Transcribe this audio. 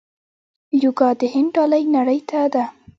یوګا د هند ډالۍ نړۍ ته ده.